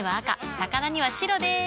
魚には白でーす。